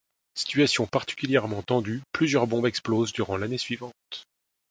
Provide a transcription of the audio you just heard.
Situation particulièrement tendue, plusieurs bombes explosent durant l'année suivante.